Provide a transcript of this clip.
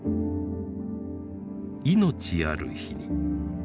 「生命ある日に」。